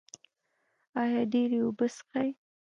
ایا ډیرې اوبه څښئ؟